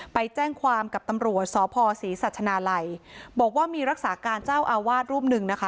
ไปแจ้งความกับตำรวจสพศรีสัชนาลัยบอกว่ามีรักษาการเจ้าอาวาสรูปหนึ่งนะคะ